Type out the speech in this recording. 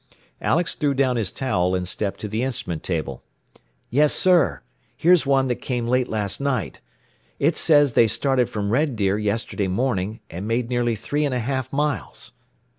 Alex threw down his towel and stepped to the instrument table. "Yes, sir; here's one that came late last night. "It says they started from Red Deer yesterday morning, and made nearly three and a half miles."